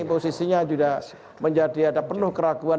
posisinya juga menjadi ada penuh keraguan